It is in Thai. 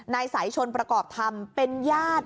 นายสายชนประกอบธรรมเป็นญาติ